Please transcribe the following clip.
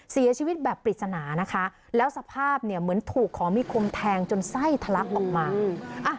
เสียชีวิตแบบปริศนานะคะแล้วสภาพเนี่ยเหมือนถูกของมีคมแทงจนไส้ทะลักออกมา